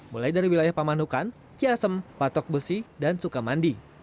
mulai dari wilayah pamanukan ciasem patok besi dan sukamandi